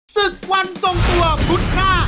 ศึกวันทรงตัวพุธหน้า